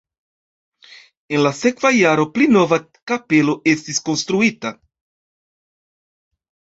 En la sekva jaro pli nova kapelo estis konstruita.